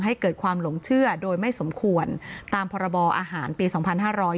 ให้เกิดความหลงเชื่อโดยไม่สมควรตามพรบออาหารปีสองพันห้าร้อย